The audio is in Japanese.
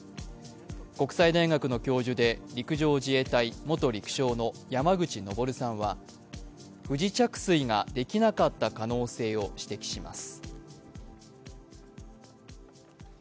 国際大学の教授で陸上自衛隊元陸将の山口昇さんは不時着水ができなかった可能性を指摘します。